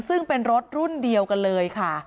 ซึ่งเป็นรถรุ่นเดียวกันเลยค่ะ